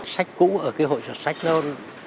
sách cũ ở cái hội sách cũ